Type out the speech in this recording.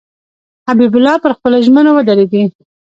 حبیب الله پر خپلو ژمنو ودرېدی.